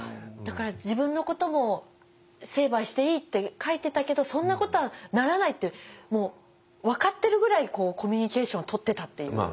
だから自分のことも成敗していいって書いてたけどそんなことはならないってもう分かってるぐらいコミュニケーションをとってたっていう。